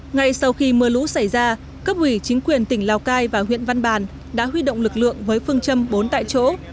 ngay sau khi mưa lũ xảy ra cấp ủy chính quyền tỉnh lào cai và huyện văn bàn đã huy động lực lượng với phương châm bốn tại chỗ